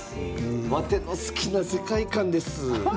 ワテの好きな世界観です。